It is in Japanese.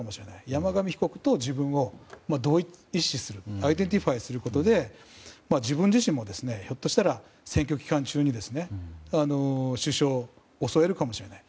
山上被告と自分を同一視するアイデンティファイすることで自分自身も選挙期間中に首相を襲えるかもしれない。